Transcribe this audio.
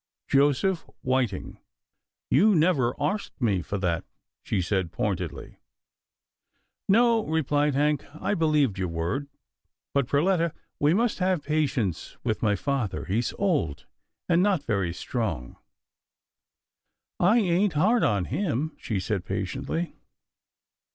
Joseph Whiting." " You never arsked me for that," she said pointedly. " No," replied Hank, " I believed your word ; but, Perletta, we must have patience with my father. He's old, and not very strong." " I ain't hard on him," she said patiently.